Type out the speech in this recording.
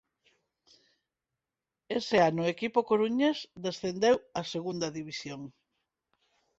Ese ano o equipo coruñés descendeu a Segunda División.